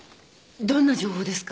どんな情報ですか？